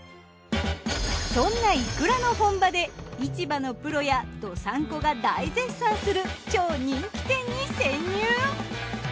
そんないくらの本場で市場のプロや道産子が大絶賛する超人気店に潜入！